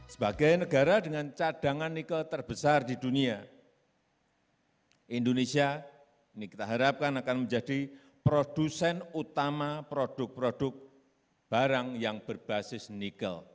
sebagai negara dengan cadangan nikel terbesar di dunia indonesia ini kita harapkan akan menjadi produsen utama produk produk barang yang berbasis nikel